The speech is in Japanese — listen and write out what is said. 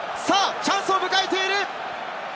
チャンスを迎えている。